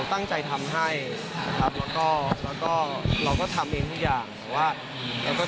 ตั้งใจทำให้แล้วก็ทำเองทุกอย่าง